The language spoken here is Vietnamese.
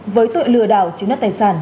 với tội lừa đảo chứng đất tài sản